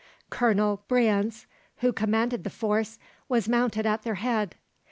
Colonel Brienz, who commanded the force, was mounted at their head.